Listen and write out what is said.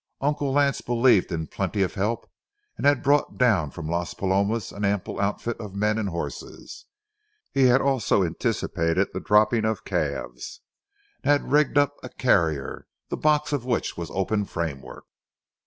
Uncle Lance believed in plenty of help, and had brought down from Las Palomas an ample outfit of men and horses. He had also anticipated the dropping of calves and had rigged up a carrier, the box of which was open framework.